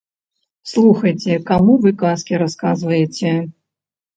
Слухайце, каму вы казкі расказваеце?